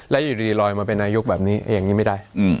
แล้วอยู่ดีลอยมาเป็นนายกแบบนี้อย่างนี้ไม่ได้